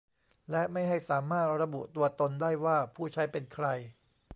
และไม่ให้สามารถระบุตัวตนได้ว่าผู้ใช้เป็นใคร